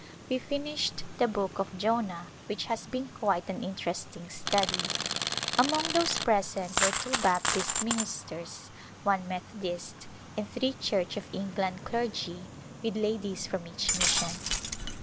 We finished the Book of Jonah, which has been quite an interest ing study. Among those present were two Baptist ministers, one Methodist, and three Church of Eng land clergy, with ladies from each mission.